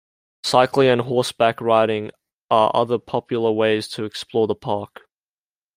Cycling and horseback riding are other popular ways to explore the park.